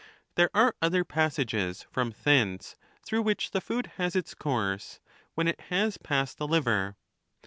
There are other passages from thence, through which the food has its course when it has passed the liver.